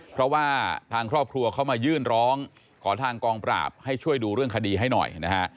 เพราะว่าทางครอบครัวเขามายื่นร้องขอทางกองปราบให้ช่วยดูเรื่องคดีให้หน่อยนะฮะ